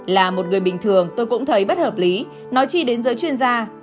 là một người bình thường tôi cũng thấy bất hợp lý nói chi đến giới chuyên gia